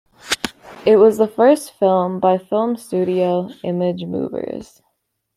It was the first film by the film studio ImageMovers.